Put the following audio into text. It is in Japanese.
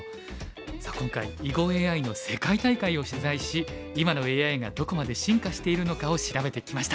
さあ今回囲碁ＡＩの世界大会を取材し今のＡＩがどこまで進化しているのかを調べてきました。